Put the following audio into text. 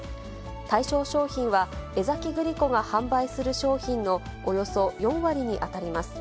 対象商品は江崎グリコが販売する商品のおよそ４割に当たります。